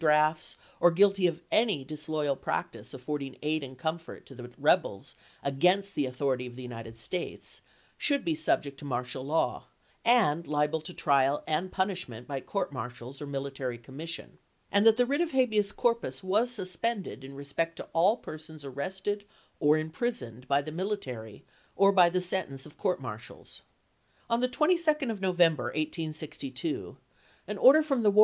drafts, or guilty of any disloyal practice afford ing aid and comfort to the rebels against the au thority of the United States, should be subject to martial law, and liable to trial and punishment by court martials or military commission; and that the wiit of habeas corpus was suspended in respect to all persons arrested or imprisoned by the mili tary or by the sentence of court martials. On the 22d of November, 1862, an order from the War